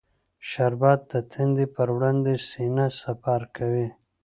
شربت د تندې پر وړاندې سینه سپر کوي